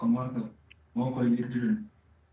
mau kalau diri dulu